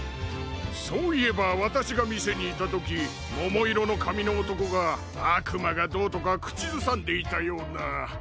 そういえばわたしがみせにいたときももいろのかみのおとこがあくまがどうとかくちずさんでいたような。